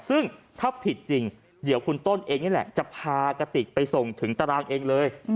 ซึ่งถ้าผิดจริงเดี๋ยวคุณต้นเองนี่แหละจะพากติกไปส่งถึงตารางเองเลย